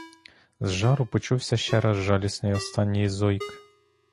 З жару почувся ще раз жалісний останній зойк.